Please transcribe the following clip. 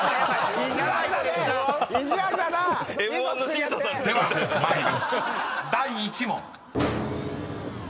第１問］